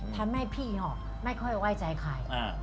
ทำให้พี่ไม่ค่อยไว้ใจใคร